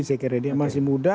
saya kira dia masih muda